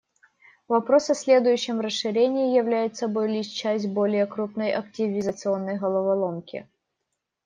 Вопрос о следующем расширении являет собой лишь часть более крупной активизационной головоломки.